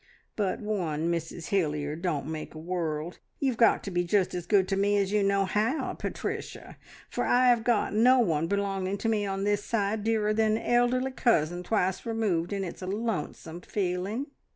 "But one Mrs Hilliard don't make a world. You've got to be just as good to me as you know how, Pat ricia, for I've got no one belonging to me on this side nearer than an elderly cousin, twice removed, and it's a lonesome feeling.